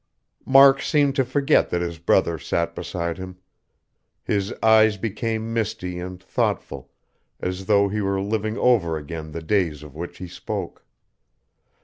Mark seemed to forget that his brother sat beside him. His eyes became misty and thoughtful, as though he were living over again the days of which he spoke.